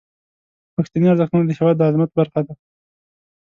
پښتني ارزښتونه د هیواد د عظمت برخه دي.